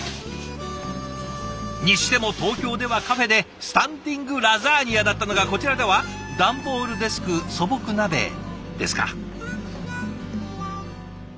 にしても東京ではカフェでスタンディングラザニアだったのがこちらでは段ボールデスク素朴鍋ですか。